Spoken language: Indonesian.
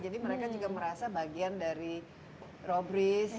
jadi mereka juga merasa bagian dari robriz